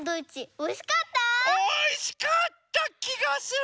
おいしかったきがする。